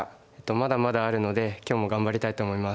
まだまだあるので今日も頑張りたいと思います。